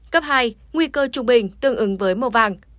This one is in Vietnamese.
cấp hai nguy cơ trung bình tương ứng với màu vàng